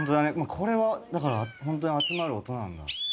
これはだからホントに集まる音なんだ。